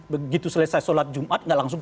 begitu selesai sholat jumat nggak langsung